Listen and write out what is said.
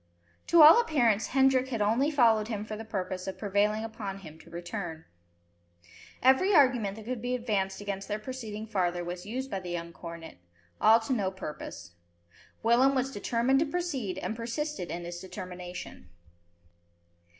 To all appearance Hendrik had only followed him for the purpose of prevailing upon him to return. Every argument that could be advanced against their proceeding farther was used by the young cornet, all to no purpose. Willem was determined to proceed, and persisted in his determination.